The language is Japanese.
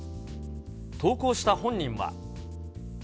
投稿した本人は。